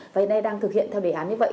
và hiện nay đang thực hiện theo đề án như vậy